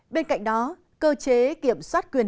bên cạnh đó cơ chế kiểm soát quyền